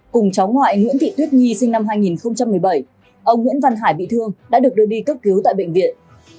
cùng cháu ngoại nguyễn thị tuyết nhi sinh năm hai nghìn một mươi bảy ông nguyễn văn hải bị thương đã được đưa đi cấp cứu tại bệnh viện